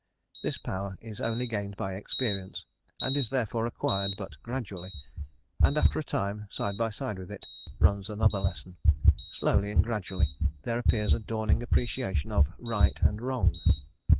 This power is only gained by experience, and is therefore acquired but gradually, and after a time, side by side with it, runs another lesson; slowly and gradually there appears a dawning appreciation of "right" and "wrong."